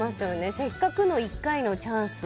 せっかくの１回のチャンスを。